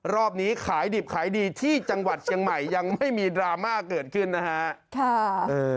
รอบนี้ขายดิบขายดีที่จังหวัดเชียงใหม่ยังไม่มีดราม่าเกิดขึ้นนะฮะ